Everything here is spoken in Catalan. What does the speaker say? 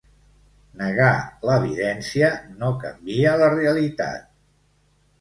Negar l’evidència no canvia la “realitat”.